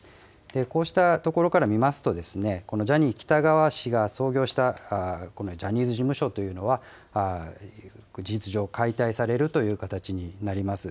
こうしたところから見ますと、このジャニー喜多川氏が創業したこのジャニーズ事務所というのは、事実上解体されるという形になります。